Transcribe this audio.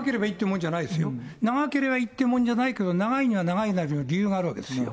長ければいいというもんじゃないけど、長いには長いなりの理由があるわけですよ。